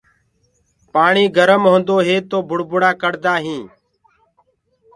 پآڻي گرم هوندو هي تو بُڙبُڙآ ڪڙدآ هينٚ۔